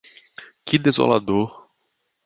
Que desolador